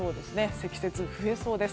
積雪、増えそうです。